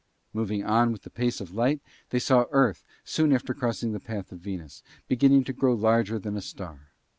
Moving on with the pace of light, they saw Earth, soon after crossing the path of Venus, beginning to grow larger than a star.